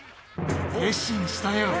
決心したよ。